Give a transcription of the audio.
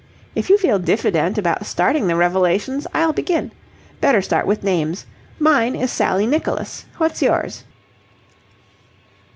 If you feel diffident about starting the revelations, I'll begin. Better start with names. Mine is Sally Nicholas. What's yours?"